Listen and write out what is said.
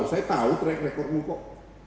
saya tahu track recordmu kok